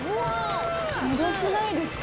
ヤバくないですか？